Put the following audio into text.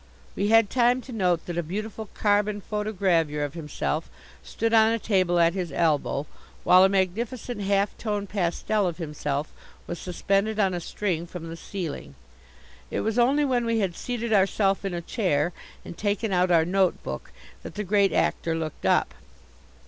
We had time to note that a beautiful carbon photogravure of himself stood on a table at his elbow, while a magnificent half tone pastel of himself was suspended on a string from the ceiling. It was only when we had seated ourself in a chair and taken out our notebook that the Great Actor looked up.